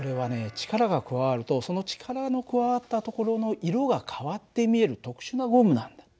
力が加わるとその力の加わったところの色が変わって見える特殊なゴムなんだ。